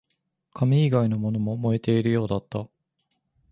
紙以外のものも燃えているようだった